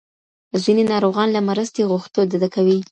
ځینې ناروغان له مرستې غوښتو ډډه کوي.